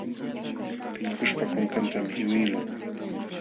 Pillkuśhpa kunkantam qiwiqlun.